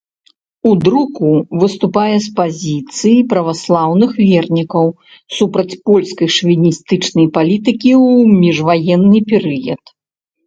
У друку выступае з пазіцый праваслаўных вернікаў, супраць польскай шавіністычнай палітыкі ў міжваенны перыяд.